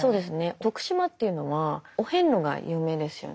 徳島というのはお遍路が有名ですよね。